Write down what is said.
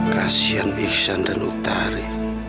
kasian iksan dan utari